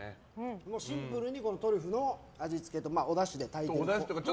シンプルにトリュフの味付けとおだしで炊いてるから。